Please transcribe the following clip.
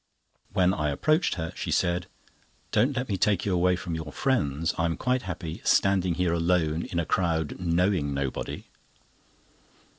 When I approached her, she said: "Don't let me take you away from friends. I am quite happy standing here alone in a crowd, knowing nobody!"